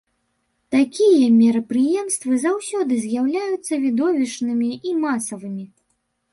Такія мерапрыемствы заўсёды з'яўляюцца відовішчнымі і масавымі.